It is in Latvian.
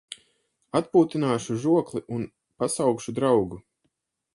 Atpūtināšu žokli un pasaukšu draugu.